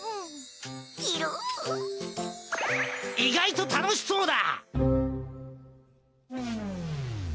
意外と楽しそうだ！